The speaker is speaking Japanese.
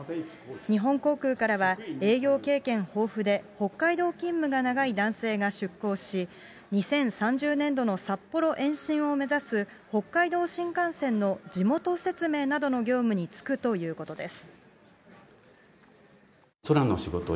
日本航空からは、営業経験豊富で北海道勤務が長い男性が出向し、２０３０年度の札幌延伸を目指す北海道新幹線の地元説明などの業務に就くということです。